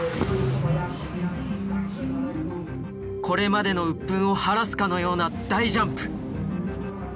これまでの鬱憤を晴らすかのような大ジャンプ。